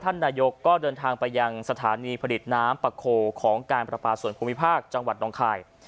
นายกก็เดินทางไปยังสถานีผลิตน้ำปะโคของการประปาส่วนภูมิภาคจังหวัดน้องคาย